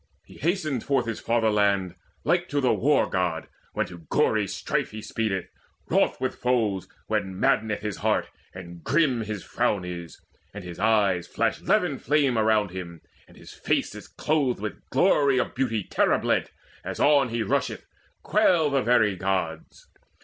He hasted forth his fatherland Like to the War god, when to gory strife He speedeth, wroth with foes, when maddeneth His heart, and grim his frown is, and his eyes Flash levin flame around him, and his face Is clothed with glory of beauty terror blent, As on he rusheth: quail the very Gods.